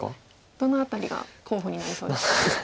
どの辺りが候補になりそうですか。